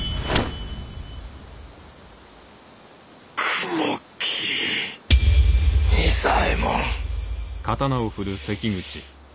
雲霧仁左衛門。